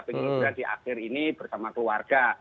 pengen liburan di akhir ini bersama keluarga